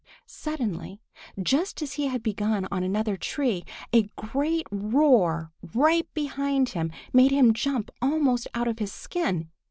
Suddenly, just as he had begun on another tree, a great roar right behind him made him jump almost out of his skin.